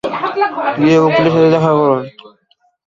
গিয়ে উকিলের সাথে দেখা করুন।